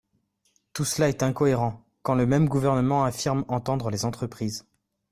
Tout cela est incohérent, quand le même gouvernement affirme entendre les entreprises.